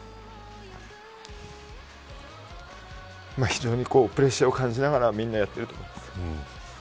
非常にプレッシャーを感じながらみんなやってると思います。